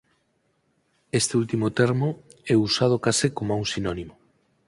Este último termo é usado case coma un sinónimo.